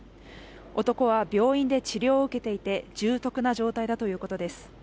男は病院で治療を受けていて重篤な状態だということです